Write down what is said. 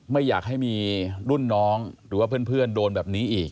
ไม่อยากให้มีรุ่นน้องหรือว่าเพื่อนโดนแบบนี้อีก